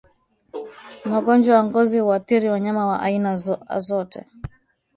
Magonjwa ya ngozi huathiri wanyama wa aina azote